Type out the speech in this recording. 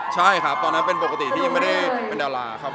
ใช่ครับตอนนั้นปกติไม่ได้เป็นดาราครับผม